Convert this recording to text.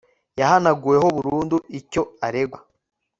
yahanaguweho burundu icyo aregwa